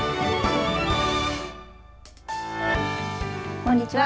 こんにちは。